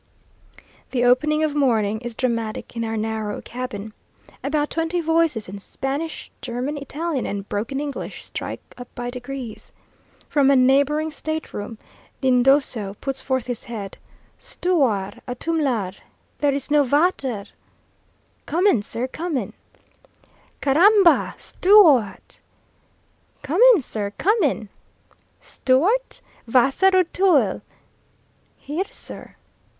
The opening of morning is dramatic in our narrow cabin. About twenty voices in Spanish, German, Italian, and broken English, strike up by degrees. From a neighbouring state room, Nid d'oiseau puts forth his head. "Stooar! a toomlar! here is no vater!" "Comin, sir, comin." "Caramba! Stooard!" "Comin, sir, comin!" "Stuart? vasser und toel!" "Here, sir."